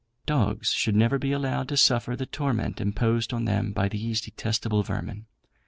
Dogs should never be allowed to suffer the torment imposed on them by these detestable vermin.